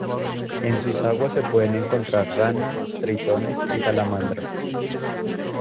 En sus aguas se pueden encontrar ranas, tritones y salamandras.